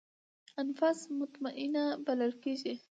النفس المطمئنه بلل کېږي.